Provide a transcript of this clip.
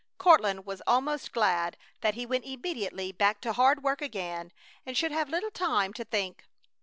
Courtland was almost glad that he went immediately back to hard work again and should have little time to think.